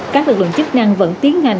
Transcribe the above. các lực lượng chức năng vẫn tiến hành